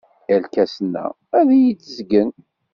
Irkasen-a ad iyi-d-zgen.